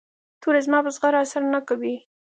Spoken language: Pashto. توره زما په زغره اثر نه کوي.